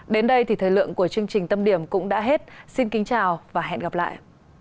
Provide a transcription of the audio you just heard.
đến đây thì thời lượng của chương trình tâm điểm cũng đã hết xin kính chào và hẹn gặp lại